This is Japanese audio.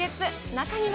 中には。